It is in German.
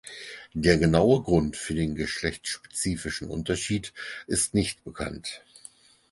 Der genaue Grund für den geschlechtsspezifischen Unterschied ist nicht bekannt.